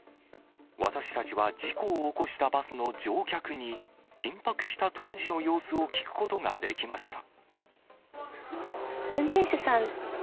私たちは事故を起こしたバスの乗客に、緊迫した当時の様子を聞くことができました。